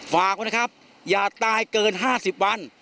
ฝากไว้นะครับอย่าตายเกิน๕๐วัน